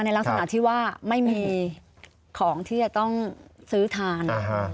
ลักษณะที่ว่าไม่มีของที่จะต้องซื้อทาน